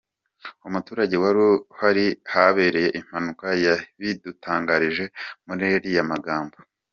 Umuturage wari uri ahabereye impanuka yabidutangarije muri aya magambo.